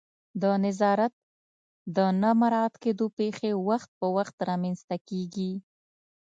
د نظافت د نه مراعت کېدو پیښې وخت په وخت رامنځته کیږي